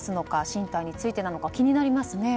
進退についてなのか気になりますね。